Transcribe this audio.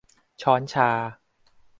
ช้อนชา